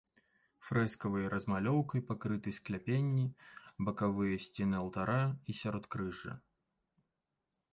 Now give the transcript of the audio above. Фрэскавай размалёўкай пакрыты скляпенні, бакавыя сцены алтара і сяродкрыжжа.